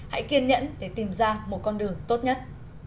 hãy kiên nhẫn để tìm ra một con đường tốt nhất